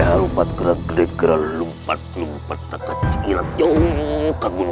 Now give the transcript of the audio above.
tapi tidak semudah itu